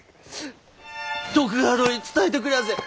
徳川殿に伝えてくりゃあせ！